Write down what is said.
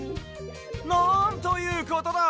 なんということだ！